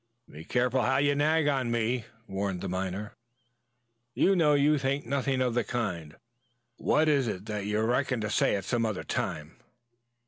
"Be careful how you nag me on," warned the miner. "You know you think nothing of the kind. What is it that you reckon to say at some other time?"